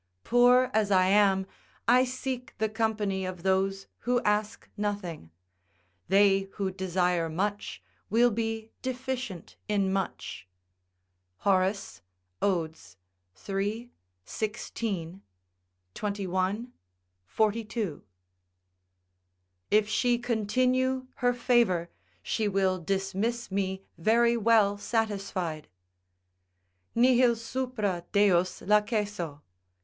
Poor as I am, I seek the company of those who ask nothing; they who desire much will be deficient in much." Horace, Od., iii. 16,21,42.] If she continue her favour, she will dismiss me very well satisfied: "Nihil supra Deos lacesso."